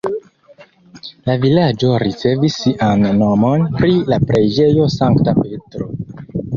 La vilaĝo ricevis sian nomon pri la preĝejo Sankta Petro.